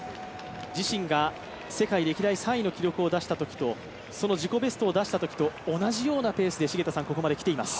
自身が世界歴代３位の記録を出したときと、その自己ベストを出したときと同じようなペースできています。